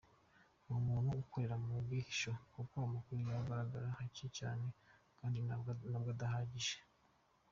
Ni umutwe ukorera mu bwihisho kuko amakuru yawo agaragara hake cyane kandi nabwo adahagije.